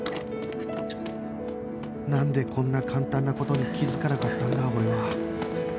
なんでこんな簡単な事に気づかなかったんだ俺は